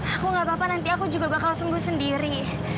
aku gak apa apa nanti aku juga bakal sembuh sendiri